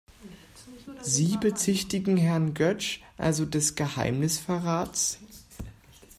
Sie bezichtigen Herrn Götsch also des Geheimnisverrats?